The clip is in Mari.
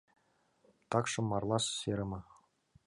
Такшым марла серыме...